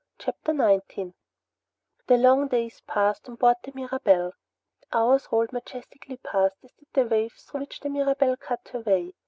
CHAPTER 19 The long days passed on board the Mirabelle. The hours rolled majestically past as did the waves through which the Mirabelle cut her way.